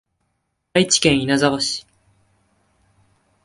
愛知県稲沢市